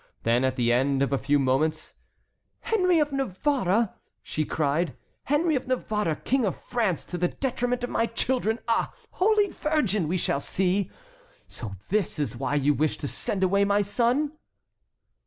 Then at the end of a few moments: "Henry of Navarre!" she cried, "Henry of Navarre King of France to the detriment of my children! Ah! Holy Virgin! we shall see! So this is why you wish to send away my son?"